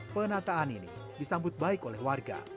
penataan ini disambut baik oleh warga